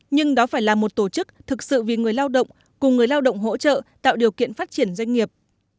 nhưng đó phải là một tổ chức thực sự vì người lao động cùng người lao động hỗ trợ tạo điều kiện phát triển doanh nghiệp